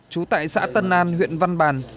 trú tại xã tân an huyện văn bàn